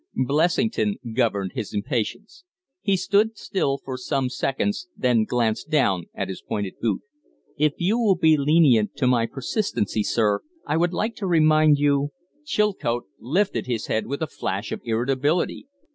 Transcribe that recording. Blessington governed his impatience. He stood still for some seconds, then glanced down at his pointed boot. "If you will be lenient to my persistency, sir, I would like to remind you " Chilcote lifted his head with a flash of irritability.